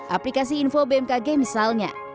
aplikasi info bmkg misalnya